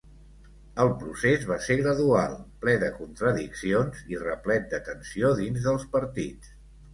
El procés va ser gradual, ple de contradiccions i replet de tensió dins dels partits.